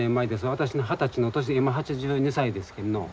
私の二十歳の年今８２歳ですけんのう。